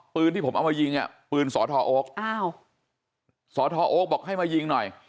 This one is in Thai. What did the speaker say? ที่ผมเอามายิงอ่ะปืนสอทอโอ๊คอ้าวสทโอ๊คบอกให้มายิงหน่อย